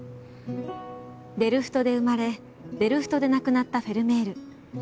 デルフトで生まれデルフトで亡くなったフェルメール。